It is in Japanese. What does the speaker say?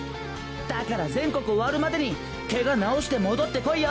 だから全国終わるまでにケガ治して戻ってこいよ！